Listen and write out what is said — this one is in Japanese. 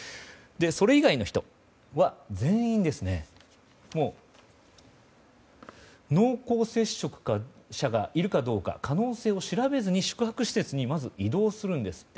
それ以外の人は全員濃厚接触者がいるかどうか可能性を調べずに宿泊施設にまず移動するんですって。